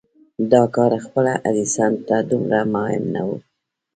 دا کار خپله ايډېسن ته دومره مهم نه و.